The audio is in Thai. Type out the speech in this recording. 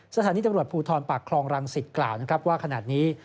สถานีตำรวจภูทรปากครองรังศิษฐ์กล่าวว่าขณะนี้